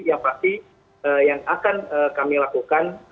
yang pasti yang akan kami lakukan